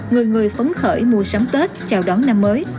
người người phấn khởi mua sắm tết chào đón năm mới